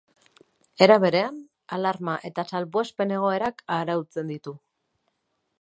Era berean, alarma eta salbuespen egoerak arautzen ditu.